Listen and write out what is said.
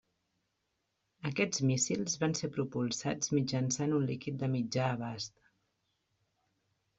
Aquests míssils van ser propulsats mitjançant un líquid de mitjà abast.